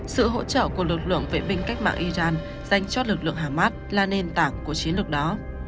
sự hỗ trợ của lực lượng vệ binh cách mạng iran dành cho lực lượng hamas là nền tảng của chiến lược đó